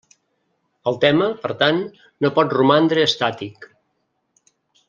El tema, per tant, no pot romandre estàtic.